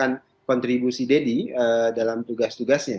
pertahanan membutuhkan kontribusi deddy dalam tugas tugasnya